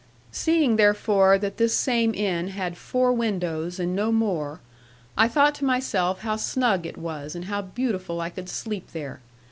'Seeing therefore that this same inn had four windows, and no more, I thought to myself how snug it was, and how beautiful I could sleep there.